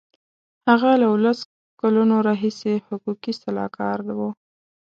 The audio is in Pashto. هغه له اوولس کلونو راهیسې حقوقي سلاکار و.